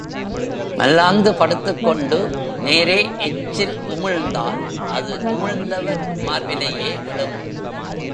மல்லாந்து படுத்துக் கொண்டு நேரே எச்சில் உமிழ்ந்தால், அது, உமிழ்ந்தவர் மார்பிலேயே விழும்.